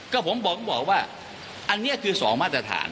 ก็ผมบอกว่าอันนี้คือ๒มาตรฐาน